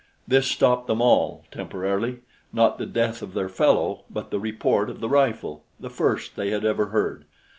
This stopped them all temporarily not the death of their fellow, but the report of the rifle, the first they had ever heard.